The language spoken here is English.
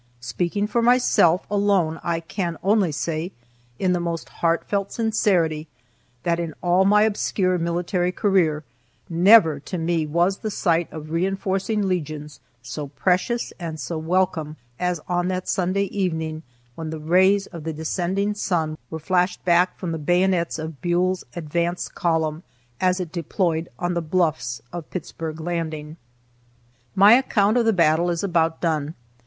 Speaking for myself alone, I can only say, in the most heart felt sincerity, that in all my obscure military career, never to me was the sight of reinforcing legions so precious and so welcome as on that Sunday evening when the rays of the descending sun were flashed back from the bayonets of Buell's advance column as it deployed on the bluffs of Pittsburg Landing. My account of the battle is about done.